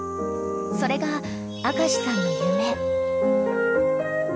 ［それが明さんの夢］